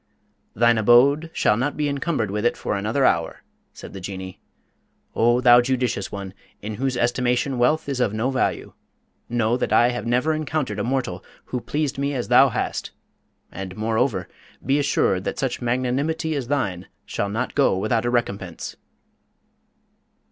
"Thine abode shall not be encumbered with it for another hour," said the Jinnee. "O thou judicious one, in whose estimation wealth is of no value, know that I have never encountered a mortal who pleased me as thou hast; and moreover, be assured that such magnanimity as thine shall not go without a recompense!"